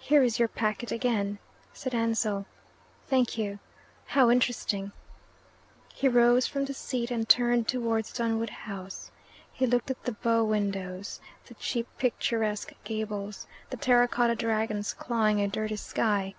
"Here is your packet again," said Ansell. "Thank you. How interesting!" He rose from the seat and turned towards Dunwood House. He looked at the bow windows, the cheap picturesque gables, the terracotta dragons clawing a dirty sky.